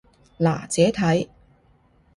嗱，自己睇